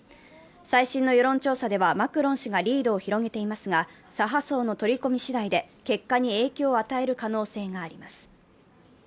再診の世論調査では、マクロン氏がリードを広げていますが、左派層の取り込み次第で結果に影響を与える可能性があります。